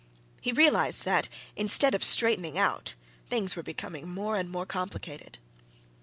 He realized that, instead of straightening out, things were becoming more and more complicated.